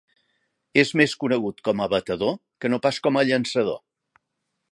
És més conegut com a batedor que no pas com a llançador.